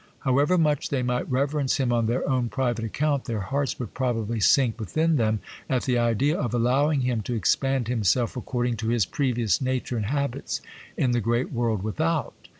However much they might reverence him on their own private account, their hearts would probably sink within them at the idea of allowing him to expand himself according to his previous nature and habits in the great world without.